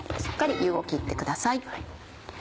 しっかり湯を切ってください。